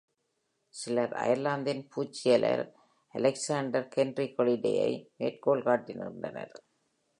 சிலர் அயர்லாந்தின் பூச்சியியலர் Alexander Henry Haliday-ஐ மேற்கோள் காட்டுகின்றனர்.